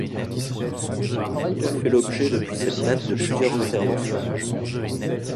Il a fait l'objet depuis cette date de plusieurs interventions.